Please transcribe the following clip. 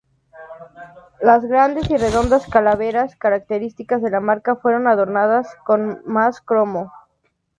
Las grandes y redondas calaveras, características de la marca, fueron adornadas con más cromo.